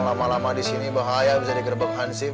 lama lama disini bahaya bisa digerebek hansip